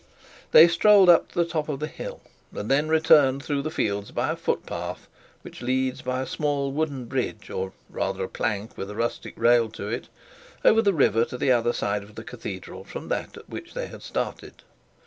They strolled up the top of the hill, and then returned through the fields by a footpath which leads by a small wooden bridge, or rather a plank with a rustic rail to it, over the river to the other side of the cathedral from that at which they had started.